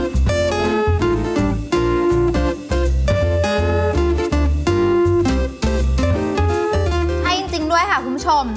จริงด้วยค่ะคุณผู้ชม